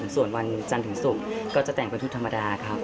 ส่วนวันจันทร์ถึงศุกร์ก็จะแต่งเป็นชุดธรรมดาครับ